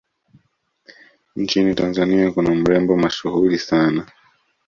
nchini tanzania kuna mrembo mashuhuli sana